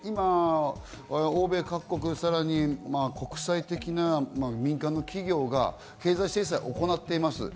今、欧米各国、さらに国際的な民間の企業が経済制裁を行っています。